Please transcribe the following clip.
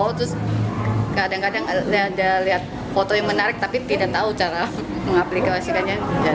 oh terus kadang kadang ada lihat foto yang menarik tapi tidak tahu cara mengaplikasikannya